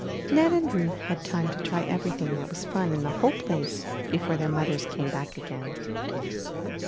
Ned and Ruth had time to try everything that was fun in the whole place before their mothers came back again.